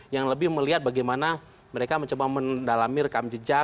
yang lebih melihat bagaimana mereka mencoba mendalami rekam jejak